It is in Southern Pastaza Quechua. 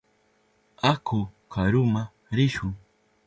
Aku karuma rishun.